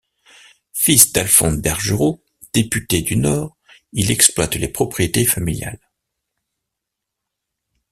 Fils d'Alphonse Bergerot, Député du Nord, il exploite les propriétés familiales.